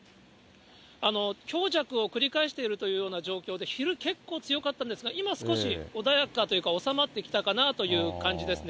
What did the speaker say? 強弱を繰り返しているというような状況で、昼、結構強かったんですが、今少し穏やかというか、収まってきたかなという感じですね。